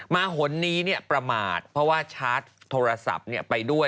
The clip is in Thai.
หนนี้ประมาทเพราะว่าชาร์จโทรศัพท์ไปด้วย